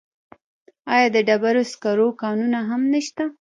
آیا د ډبرو سکرو کانونه هم نشته؟